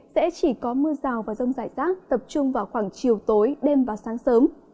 sẽ chỉ có mưa rào và rông rải rác tập trung vào khoảng chiều tối đêm và sáng sớm